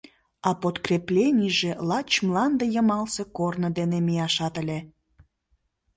А подкрепленийже лач мланде йымалсе корно дене мияшат ыле.